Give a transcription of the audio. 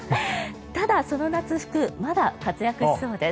ただ、その夏服まだ活躍しそうです。